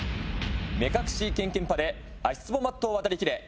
目隠しけんけんぱで足つぼマットを渡りきれ！